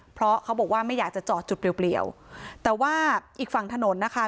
เพราะเขาบอกว่าไม่อยากจะจอดจุดเปรียวแต่ว่าอีกฝั่งถนนนะคะ